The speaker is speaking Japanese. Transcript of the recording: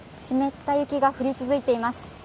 湿った雪が降り続いています。